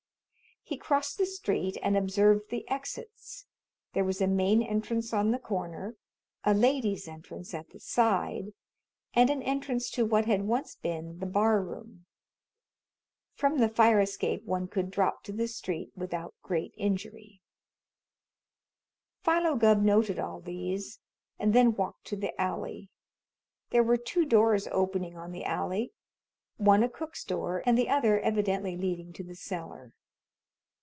He crossed the street and observed the exits. There was a main entrance on the corner, a "Ladies' Entrance" at the side, and an entrance to what had once been the bar room. From the fire escape one could drop to the street without great injury. Philo Gubb noted all these, and then walked to the alley. There were two doors opening on the alley one a cook's door, and the other evidently leading to the cellar.